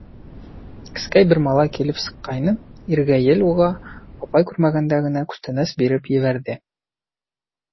Кескәй бер малай килеп сыҡҡайны, Иргәйел уға апай күрмәгәндә генә күстәнәс биреп ебәрҙе.